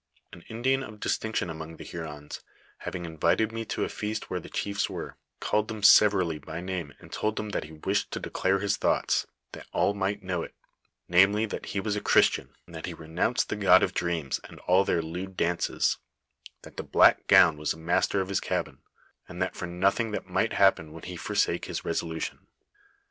"An Indian of distinction among the Hurons, having in vited me to a feast where the cliicfs were, called them sev erally by name and told them that ho wished to declare his thoughts, that all might know it, namely, that he was a Christian ; that he renounced the god of dreams and all their lewd dances; that the black gown was master of his cabin; and that for nothing that might happen would he fursake his resolution.